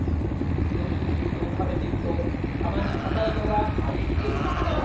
「ドッグフードを食べているとたまにかたいのがまじっていることがある！」。